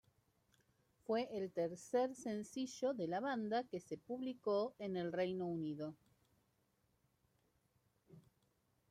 Fue el tercer sencillo de la banda que se publicó en el Reino Unido.